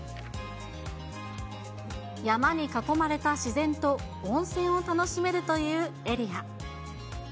山に囲まれた自然と温泉を楽しめるというエリア。